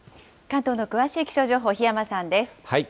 関東の詳しい気象情報、檜山さんです。